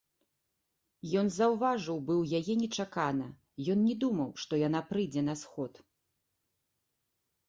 Ён заўважыў быў яе нечакана, ён не думаў, што яна прыйдзе на сход.